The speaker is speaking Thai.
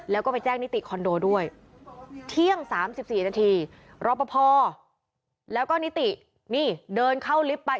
แล้วก็ไปแจ้งนิติคอนโดด้วยเที่ยง๓๔นาทีรอปภแล้วก็นิตินี่เดินเข้าลิฟต์ไป